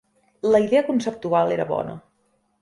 La idea conceptual era bona.